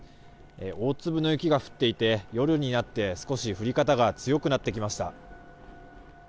大粒の雪が降っていて夜になって、少し降り方が強くなってきました。